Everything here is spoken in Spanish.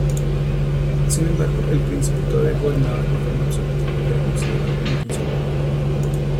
Sin embargo, el príncipe todavía gobernaba de forma absoluta y era considerado muy conservador.